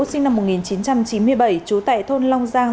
sinh năm một nghìn chín trăm chín mươi bảy trú tại thôn long giang